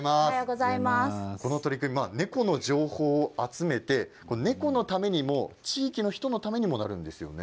この取り組み、猫の情報を集めて猫のためにも地域の人のためにもなるんですよね。